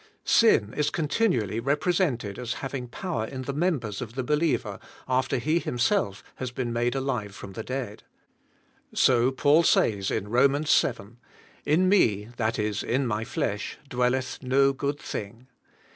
Sin is continually represented as having power in the members of the believer after he him self has been made alive from the dead; so Paul says, in Rom. 7, *' In me, that is in my flesh, dwell eth no good thing.